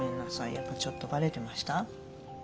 やっぱちょっとバレてました？